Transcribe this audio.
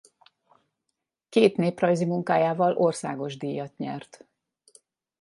Két néprajzi munkájával országos díjat nyert.